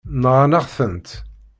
Nɣan-aɣ-tent.